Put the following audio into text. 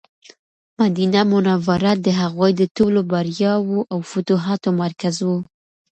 مدینه منوره د هغوی د ټولو بریاوو او فتوحاتو مرکز و.